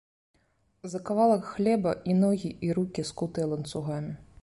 За кавалак хлеба і ногі і рукі скутыя ланцугамі.